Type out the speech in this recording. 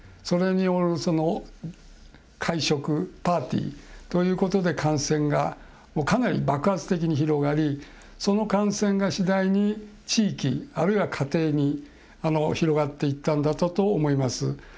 それによる会食、パーティーということで感染がかなり爆発的に広がり、その感染が次第に地域、あるいは家庭に広がっていったんだと思います。